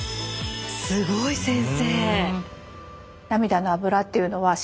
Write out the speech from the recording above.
すごい先生！